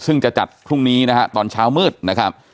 ซึ่งจะจัดพรุ่งนี้นะฮะตอนเช้ามืดนะครับ